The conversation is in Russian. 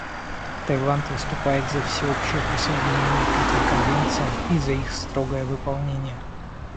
Таиланд выступает за всеобщее присоединение к этим конвенциям и за их строгое выполнение.